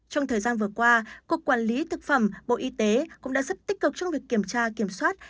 trong thời gian vừa qua cục quản lý thực phẩm bộ y tế cũng đã rất tích cực trong việc kiểm tra kiểm soát